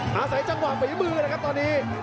หาใส่จังหวังไปที่มือเลยครับตอนนี้